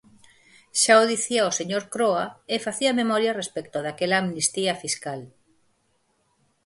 Xa o dicía o señor Croa, e facía memoria respecto daquela amnistía fiscal.